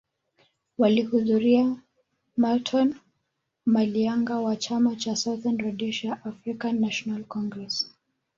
Walihudhuria Marton Malianga wa chama cha Southern Rhodesia African National Congress